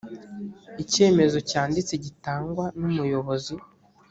icyemezo cyanditse gitangwa n umuyobozi